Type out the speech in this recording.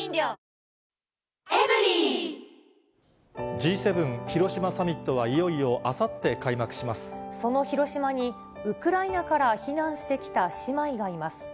Ｇ７広島サミットは、いよいその広島に、ウクライナから避難してきた姉妹がいます。